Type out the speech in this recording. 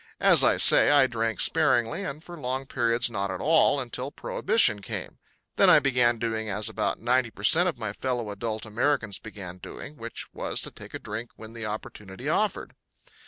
As I say, I drank sparingly and for long periods not at all, until Prohibition came. Then I began doing as about ninety per cent of my fellow adult Americans began doing which was to take a drink when the opportunity offered.